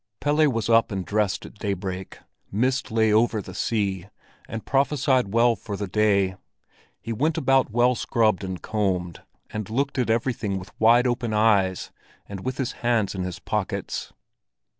Pelle was up and dressed at daybreak. Mist lay over the sea, and prophesied well for the day. He went about well scrubbed and combed, and looked at everything with wide open eyes, and with his hands in his pockets.